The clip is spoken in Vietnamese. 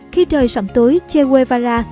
khi trời sọng tối che guevara